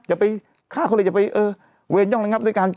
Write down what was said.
อย่าไปฆ่าเขาเลยอย่าไปเวย่งละงับด้วยการ